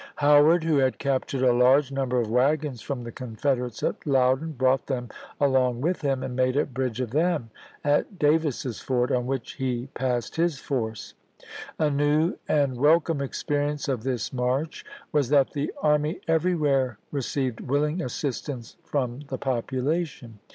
Howard, who had captured a large number of wagons from the Confederates at Loudon, brought them along with him, and made a bridge of them at Davis's Ford, on which he passed his force. A new and welcome experience of this march was that the army everywhere received willing assistance from the population.